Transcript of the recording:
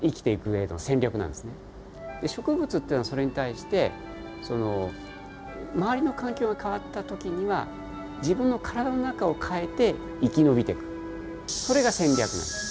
で植物っていうのはそれに対してその周りの環境が変わった時には自分の体の中を変えて生き延びてくそれが戦略なんです。